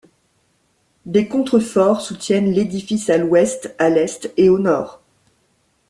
Des contreforts soutiennent l'édifice à l'ouest, à l'est et au nord.